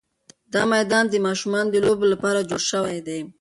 دا میدان د ماشومانو د لوبو لپاره جوړ شوی دی.